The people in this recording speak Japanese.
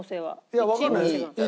いやわかんないよ。